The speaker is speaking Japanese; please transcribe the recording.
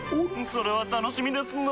それは楽しみですなぁ。